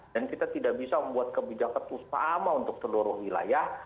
dan kita tidak bisa membuat kebijakan yang sama untuk seluruh wilayah